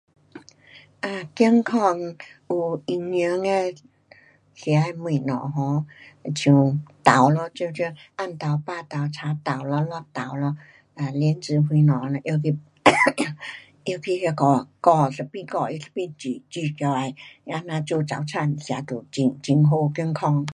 um 健康有营养的，吃的东西 um，好像豆咯，各种 um，红豆，白豆，青豆咯，绿豆咯，莲子什么嘞拿去 拿去那个搅一下，一边搅一边煮起来，那这样做早餐吃就很，很好，健康。